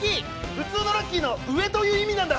普通のラッキーの上という意味なんだ！